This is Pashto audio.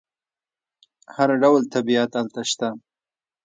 هر ډول طبیعت هلته شته.